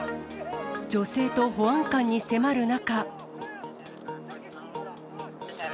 女性と保安官に迫る中。